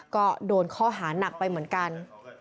ก็โดนข้อหานักไปเหมือนกัน